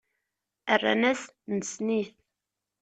Rran-as: Nessen-it.